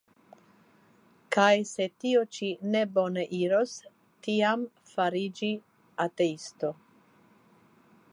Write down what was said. Kaj se tio ĉi ne bone iros, tiam fariĝi ateisto!